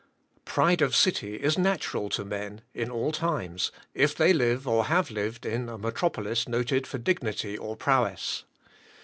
Pride of city is natural to men, in all times, if they live or have lived in a metropolis noted for dignity or prowess.